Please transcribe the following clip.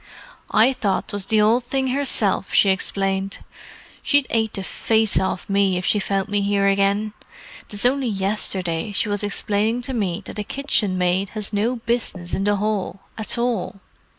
"I thought 'twas the Ould Thing hersilf," she explained. "She'd ate the face off me if she found me here again—'tis only yesterday she was explaining to me that a kitchenmaid has no business in the hall, at all.